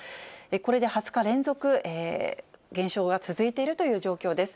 これで２０日連続減少が続いているという状況です。